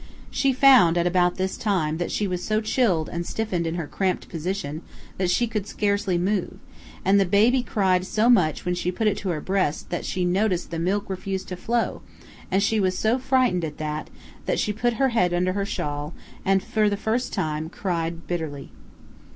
She found at about this time that she was so chilled and stiffened in her cramped position that she could scarcely move, and the baby cried so when she put it to her breast that she noticed the milk refused to flow; and she was so frightened at that, that she put her head under her shawl, and for the first time cried bitterly.